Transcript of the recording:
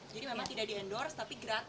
jadi memang tidak di endorse tapi gratis